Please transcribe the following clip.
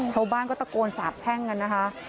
ชาวบ้านก็ตะโกนสาบแช่งกันนะคะ